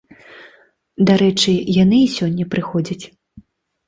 Дарэчы, яны і сёння прыходзяць.